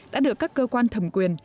đã được các cơ quan thẩm quyền